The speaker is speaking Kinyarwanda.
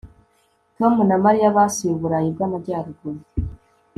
Tom na Mariya basuye Uburayi bwAmajyaruguru